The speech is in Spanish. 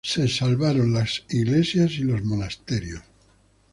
Se salvaron las iglesias y los monasterios.